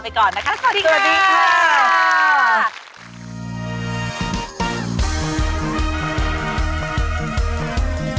มันเป็นอะไร